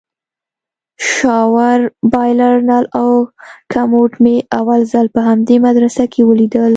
شاور بايلر نل او کموډ مې اول ځل په همدې مدرسه کښې وليدل.